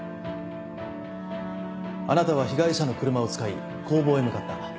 あなたは被害者の車を使い工房へ向かった。